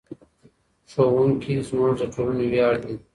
ښوونکي زموږ د ټولنې ویاړ دي.